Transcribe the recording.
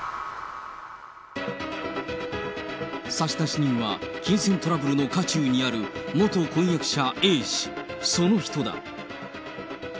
差出人は金銭トラブルの渦中にある元婚約者、Ａ氏、その人だ。